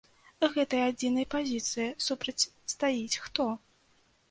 Гэтай адзінай пазіцыі супрацьстаіць хто?